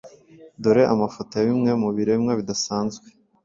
dore amafoto ya bimwe mu biremwa bidasanzwe